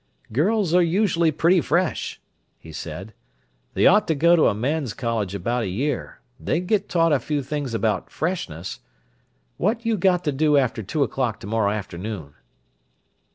"Girls are usually pretty fresh!" he said. "They ought to go to a man's college about a year: they'd get taught a few things about freshness! What you got to do after two o'clock to morrow afternoon?"